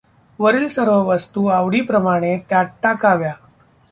वरील सर्व वस्तू आवडीप्रमाणे त्यात टाकाव्या.